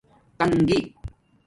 تنگی